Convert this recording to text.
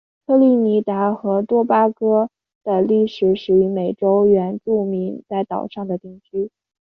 特立尼达和多巴哥的历史始于美洲原住民在岛上的定居。